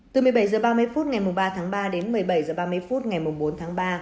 từ một mươi bảy h ba mươi phút ngày ba tháng ba đến một mươi bảy h ba mươi phút ngày bốn tháng ba